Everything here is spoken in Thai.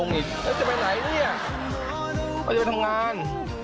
ก็จะไปทำงาน